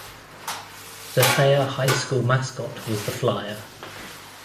The Thayer High School mascot was the Flyer.